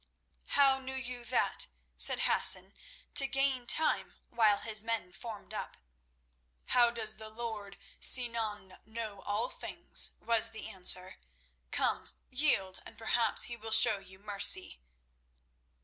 "How knew you that?" said Hassan, to gain time while his men formed up. "How does the lord Sinan know all things?" was the answer; "Come, yield, and perhaps he will show you mercy."